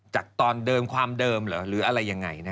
จากตอนเดิมความเดิมเหรอหรืออะไรยังไงนะ